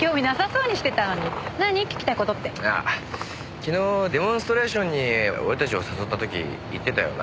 昨日デモンストレーションに俺たちを誘った時言ってたよな？